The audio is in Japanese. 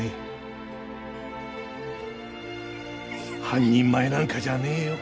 半人前なんかじゃねえよ。